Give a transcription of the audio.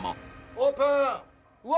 オープンわ！